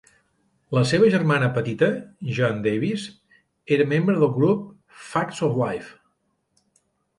La seva germana petita, Jean Davis, era membre del grup Facts of Life.